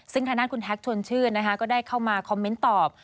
ซึ่งทั้งนั้นคุณแฮกชวนชื่นก็ได้เข้ามาคอมเมนต์ตอบ